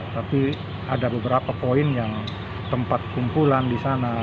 tapi ada beberapa poin yang tempat kumpulan di sana